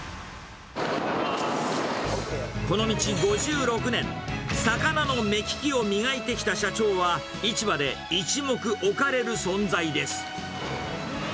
この道５６年、魚の目利きを磨いてきた社長は、市場で一目置かれる存在です。